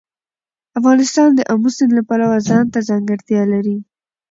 افغانستان د آمو سیند له پلوه ځانته ځانګړتیا لري.